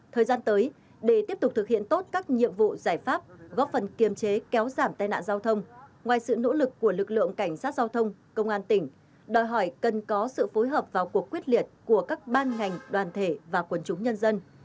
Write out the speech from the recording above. thời gian tới để tiếp tục thực hiện tốt các nhiệm vụ giải pháp góp phần kiềm chế kéo giảm tai nạn giao thông ngoài sự nỗ lực của lực lượng cảnh sát giao thông công an tỉnh đòi hỏi cần có sự phối hợp vào cuộc quyết liệt của các ban ngành đoàn thể và quần chúng nhân dân